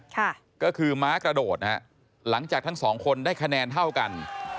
ค่ะก็คือม้ากระโดดนะฮะหลังจากทั้งสองคนได้คะแนนเท่ากัน